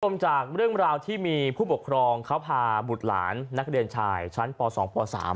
จากเรื่องราวที่มีผู้ปกครองเขาพาบุตรหลานนักเรียนชายชั้นป๒ป๓